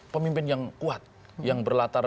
pemimpin yang kuat yang berlatar